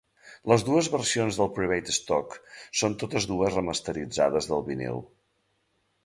Les dues versions de Private Stock són totes dues remasteritzades del vinil.